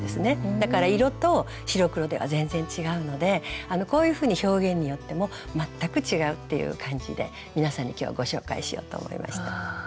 だから色と白黒では全然違うのでこういうふうに表現によっても全く違うっていう感じで皆さんに今日はご紹介しようと思いました。